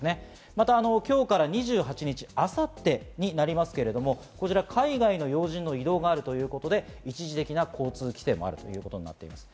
また今日から２８日、明後日まで海外の要人の移動があるということで、一時的な交通規制もあるということになっています。